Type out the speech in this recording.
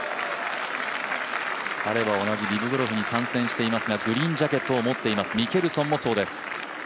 彼は同じリブゴルフに参戦していますが、グリーンジャケットを持っています、ミケルソンもそうです。